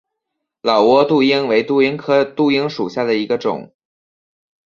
老挝杜英为杜英科杜英属下的一个种。